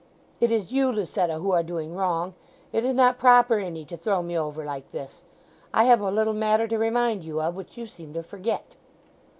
It is you, Lucetta, who are doing wrong. It is not proper in 'ee to throw me over like this. I have a little matter to remind you of, which you seem to forget."